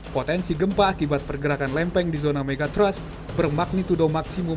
potensi gempa akibat pergerakan lempeng di zona megatrust bermagnitudo maksimum